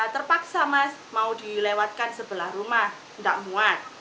terpaksa mas mau dilewatkan sebelah rumah tidak muat